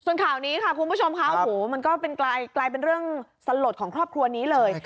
ส่วนข่าวนี้ค่ะคุณผู้ชมค่ะโอ้โหมันก็กลายเป็นเรื่องสลดของครอบครัวนี้เลย